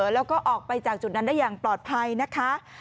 แล้วก็ออกไปจากจุดนั้นได้อย่างปลอดภัยนะคะ